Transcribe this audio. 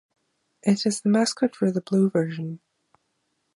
It is the mascot for the "Blue" version.